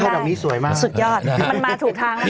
เข้าแบบนี้สวยมากสุดยอดมันมาถูกทางแล้วค่ะต้องใช้ต้องใช้